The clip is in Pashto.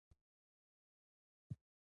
طبیعي شتمنۍ ساتل پکار دي.